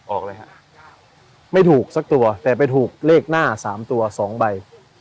ออกเลยฮะไม่ถูกสักตัวแต่ไปถูกเลขหน้า๓ตัว๒ใบ